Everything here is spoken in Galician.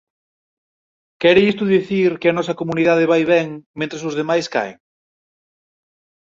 Quere isto dicir que a nosa comunidade vai ben mentres os demais caen?